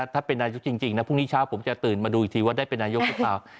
ถ้าเป็นนายกจริงนะพรุ่งนี้เช้าผมจะตื่นมาดูอีกทีว่าได้เป็นนายกหรือเปล่า